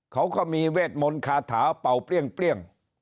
เขาก็มีเวทมนต์คาถาเป่าเปรี้ยง